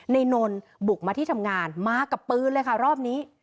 นนบุกมาที่ทำงานมากับปืนเลยค่ะรอบนี้